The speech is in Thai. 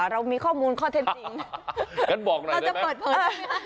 เรามีข้อมูลข้อเท็จจริงงั้นบอกหน่อยเขาจะเปิดเผลอใช่มั้ยค่ะ